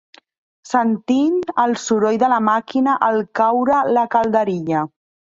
Sentint el soroll de la màquina al caure la calderilla